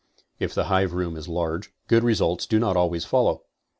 If the hive room is large, good results do not elways follow.